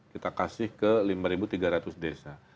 kita kasih ke lima tiga ratus desa